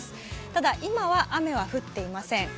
ただ、今は雨は降っていません。